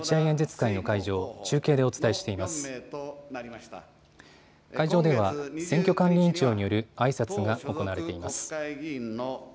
会場では、選挙管理委員長によるあいさつが行われています。